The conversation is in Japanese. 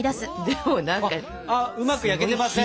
うまく焼けてません